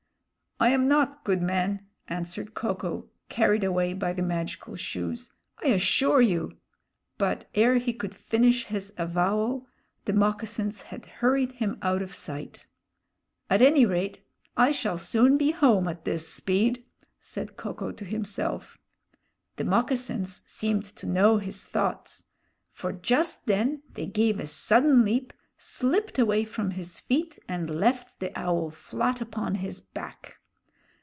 "I am not, good man," answered Ko ko, carried away by the magical shoes, "I assure you." But ere he could finish his avowal, the moccasins had hurried him out of sight. "At any rate, I shall soon be home at this speed," said Ko ko to himself. The moccasins seemed to know his thoughts; for just then they gave a sudden leap, slipped away from his feet, and left the Owl flat upon his back!